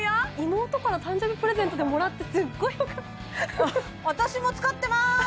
妹から誕生日プレゼントでもらってすっごい私も使ってまーす